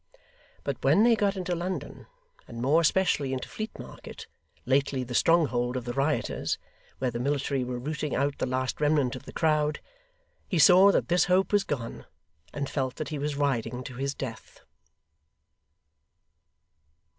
But when they got into London, and more especially into Fleet Market, lately the stronghold of the rioters, where the military were rooting out the last remnant of the crowd, he saw that this hope was gone, and felt that he was riding to his death.